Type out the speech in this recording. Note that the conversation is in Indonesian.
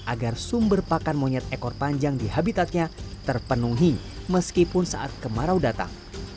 agar sumber pakan monyet ekor panjang di habitatnya terpenuhi meskipun saat kemarau datang